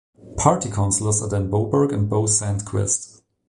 Party councilors are Dan Boberg and Bo Sandquist.